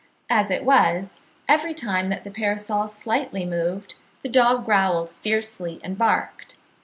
As it was, every time that the parasol slightly moved, the dog growled fiercely and barked.